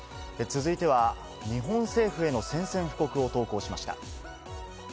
続いては、日本政府への宣戦布告を投稿しました。